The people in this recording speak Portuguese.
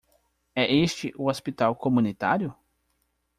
É este o Hospital Comunitário?